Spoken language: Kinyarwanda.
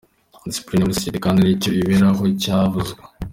Discipline muri society kandi ni icyo iberaho cyavuzwe.